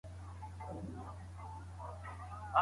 بيا به مو يو له بل سره ژوند کول هم ستونزي لري.